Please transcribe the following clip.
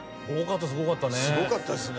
すごかったですね。